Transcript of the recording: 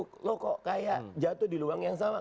kok kayak jatuh di luang yang sama